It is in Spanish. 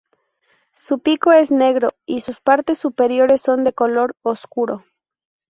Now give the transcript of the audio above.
Su pico es negro y sus partes superiores son de color oscuro.